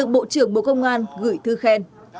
bộ trưởng bộ công an gửi thư khen